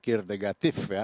pikir negatif ya